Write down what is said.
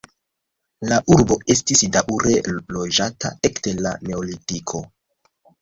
La urbo estis daŭre loĝata ekde la neolitiko.